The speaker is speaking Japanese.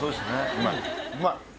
うまい。